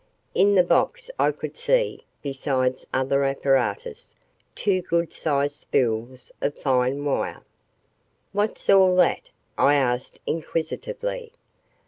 In the box I could see, besides other apparatus, two good sized spools of fine wire. "What's all that?" I asked inquisitively.